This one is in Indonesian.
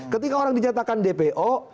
ketika orang dinyatakan dpo